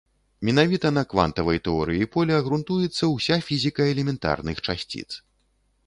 Менавіта на квантавай тэорыі поля грунтуецца ўся фізіка элементарных часціц.